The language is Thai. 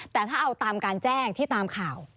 แต่ถ้าเอาตามการแจ้งที่ตามข่าว